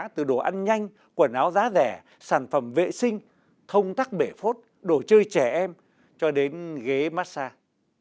từ đồ ăn nhanh quần áo giá rẻ sản phẩm vệ sinh thông tắc bể phốt đồ chơi trẻ em cho đến ghế massage